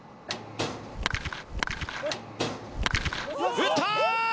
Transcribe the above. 打った！